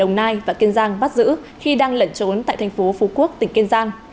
đồng nai và kiên giang bắt giữ khi đang lẩn trốn tại thành phố phú quốc tỉnh kiên giang